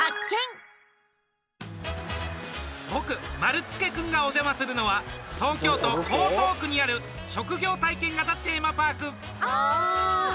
僕、丸つけくんがお邪魔するのは東京都江東区にある職業体験型テーマパーク。